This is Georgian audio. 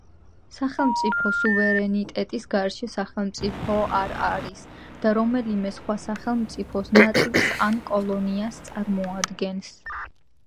სახელმწიფო სუვერენიტეტის გარეშე სახელმწიფო არ არის და რომელიმე სხვა სახელმწიფოს ნაწილს ან კოლონიას წარმოადგენს.